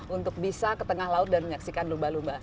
untuk bisa ke tengah laut dan menyaksikan lumba lumba